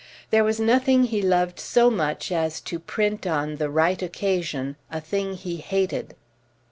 There was nothing he loved so much as to print on the right occasion a thing he hated.